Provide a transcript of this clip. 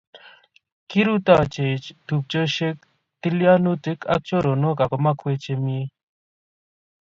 Kirutoiyweech tupchosyek, tilyanutiik ako choronook ak komakweech nemie.